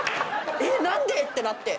えっ何で⁉ってなって。